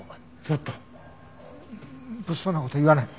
ちょっと物騒な事を言わない。